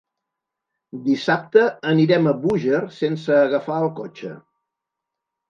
Dissabte anirem a Búger sense agafar el cotxe.